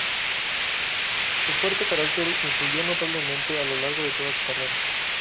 Su fuerte carácter influyó notablemente a lo largo de toda su carrera.